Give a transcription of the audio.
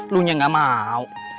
lo nya gak mau